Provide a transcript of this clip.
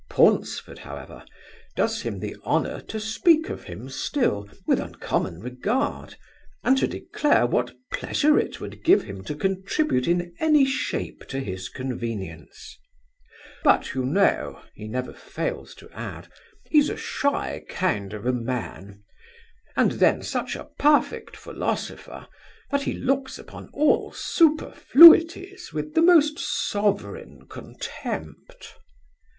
Paunceford, however, does him the honour to speak of him still, with uncommon regard; and to declare what pleasure it would give him to contribute in any shape to his convenience: 'But you know (he never fails to add) he's a shy kind of a man And then such a perfect philosopher, that he looks upon all superfluities with the most sovereign contempt.